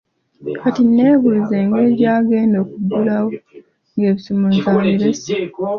Kati nneebuuza engeri gy'agenda okuggulawo ng'ebisumuluzo abirese.